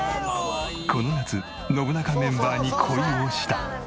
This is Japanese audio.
この夏『ノブナカ』メンバーに恋をした。